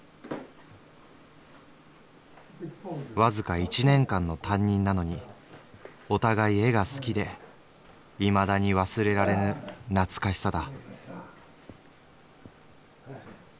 「わずか一年間の担任なのにお互い絵が好きで未だに忘れられぬ懐かしさだ」。